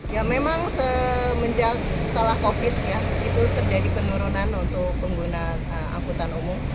ya memang setelah covid sembilan belas itu terjadi penurunan untuk pengguna angkutan umum